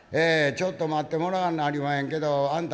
ちょっと待ってもらわんなりまへんけどあんた